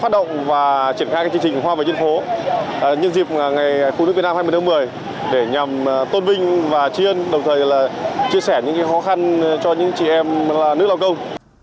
đồng thời đoàn viên chia sẻ những khó khăn cho những chị em nữ lao công